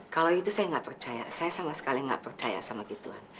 kalau itu saya nggak percaya saya sama sekali nggak percaya sama gituan